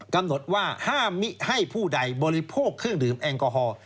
กำหนดว่าห้ามมิให้ผู้ใดบริโภคเครื่องดื่มแอลกอฮอล์